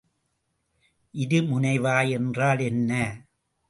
இருமுனைவாய் என்றால் என்ன?